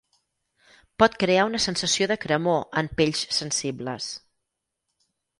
Pot crear una sensació de cremor en pells sensibles.